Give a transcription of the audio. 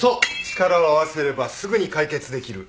力を合わせればすぐに解決できる。